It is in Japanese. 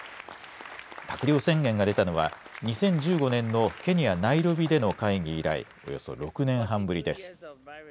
閣僚宣言が出たのは２０１５年のケニア・ナイロビでの会議以来、およそ６年半ぶりです。